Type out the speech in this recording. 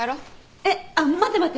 えっ？あっ待って待って。